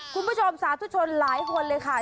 คุณผู้ชมสาธุชนหลายคนเลยค่ะ